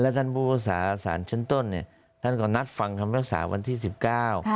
ท่านผู้รักษาสารชั้นต้นเนี่ยท่านก็นัดฟังคำภาษาวันที่สิบเก้า